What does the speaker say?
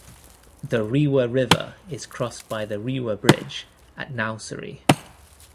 The Rewa River is crossed by the Rewa Bridge at Nausori.